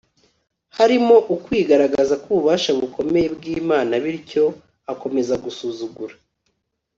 harimo ukwigaragaza kububasha bukomeye bwImana bityo akomeza gusuzugura